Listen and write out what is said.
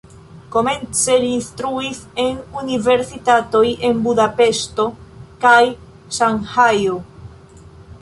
Komence li instruis en universitatoj en Budapeŝto kaj Ŝanhajo.